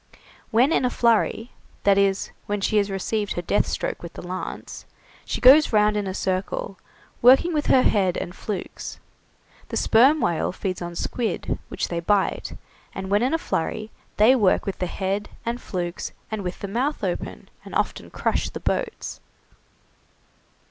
When in a flurry that is, when she has received her death stroke with the lance she goes round in a circle, working with her head and flukes. The sperm whales feed on squid, which they bite, and when in a flurry they work with the head and flukes, and with the mouth open, and often crush the boats.